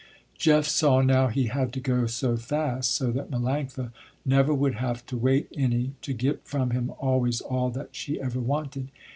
Jeff saw now he had to go so fast, so that Melanctha never would have to wait any to get from him always all that she ever wanted.